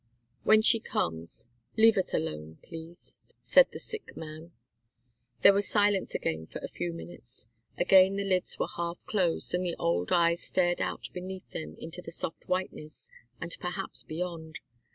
"When she comes leave us alone please," said the sick man. There was silence again for a few minutes. Again the lids were half closed, and the old eyes stared out beneath them into the soft whiteness, and perhaps beyond.